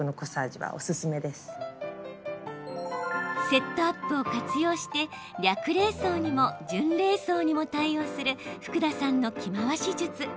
セットアップを活用して略礼装にも準礼装にも対応する福田さんの着回し術。